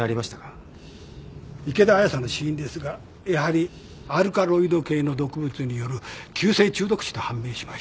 池田亜矢さんの死因ですがやはりアルカロイド系の毒物による急性中毒死と判明しました。